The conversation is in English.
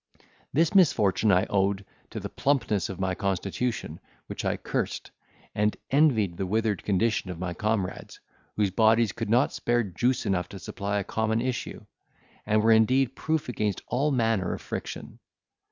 This misfortune I owed to the plumpness of my constitution, which I cursed, and envied the withered condition of my comrades, whose bodies could not spare juice enough to supply a common issue, and were indeed proof against all manner of friction.